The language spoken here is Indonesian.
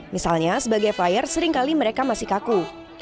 misalnya sebagai flyer seringkali mereka masih kaku